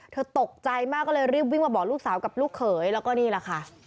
ตกใจมากก็เลยรีบวิ่งมาบอกลูกสาวกับลูกเขยแล้วก็นี่แหละค่ะ